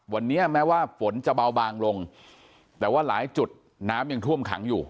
วันนี้แม้ว่าฝนจะเบาบางลงแต่ว่าหลายจุดน้ำยังท่วมขังอยู่